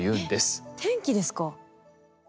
えっ天気ですか？